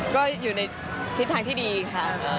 ก็อยู่ในทิศทางที่ดีค่ะ